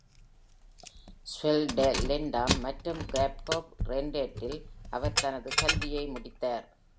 Swellendam மற்றும் கிராஃப்-ரெய்னெட்டில் அவர் தனது கல்வியை முடித்தார்.